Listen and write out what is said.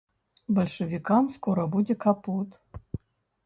Бальшавікам скора будзе капут.